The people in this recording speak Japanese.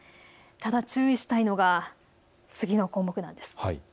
ただ注意したいのが次の項目。